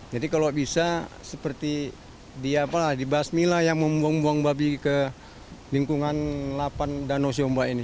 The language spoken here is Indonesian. jadi kalau bisa seperti di basmila yang membuang buang babi ke lingkungan lapan danau siombak ini